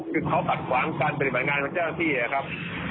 คือเขาขัดขวางการปฏิบัติงานของเจ้าหน้าที่นะครับ